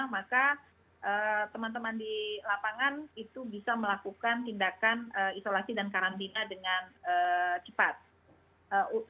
maka teman teman di lapangan itu bisa melakukan tindakan isolasi dan karantina dengan cepat